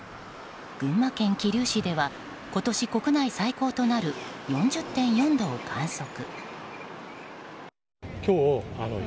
群馬県桐生市では今年国内最高となる４０．４度を観測。